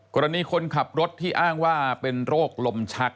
คนขับรถที่อ้างว่าเป็นโรคลมชัก